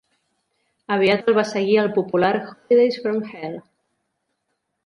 Aviat el va seguir el popular "Holidays from Hell".